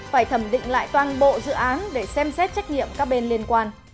phải thẩm định lại toàn bộ dự án để xem xét trách nhiệm các bên liên quan